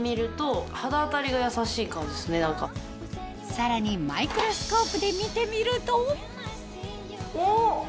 さらにマイクロスコープで見てみるとおっ！